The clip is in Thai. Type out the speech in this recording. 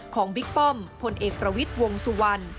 บิ๊กป้อมพลเอกประวิทย์วงสุวรรณ